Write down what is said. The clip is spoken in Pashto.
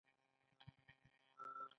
د سایبري امنیت موضوع ورځ تر بلې مهمه کېږي.